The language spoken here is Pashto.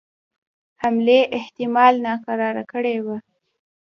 حملې احتمال ناکراره کړي وه.